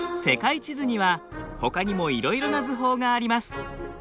世界地図にはほかにもいろいろな図法があります。